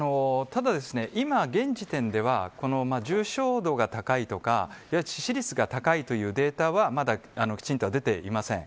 今、現時点では重症度が高いとか致死率が高いというデータはまだきちんと出ていません。